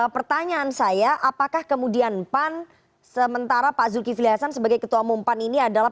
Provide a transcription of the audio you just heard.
pertanyaan saya apakah kemudian pan sementara pak zulkifli hasan sebagai ketua umum pan ini adalah